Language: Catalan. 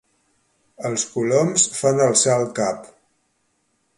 Els coloms fan alçar el cap.